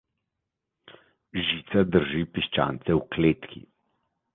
Žica drži piščance v kletki.